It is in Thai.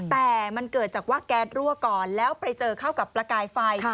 แต่มันเกิดจากว่าแก๊สรั่วก่อนแล้วไปเจอเข้ากับประกายไฟ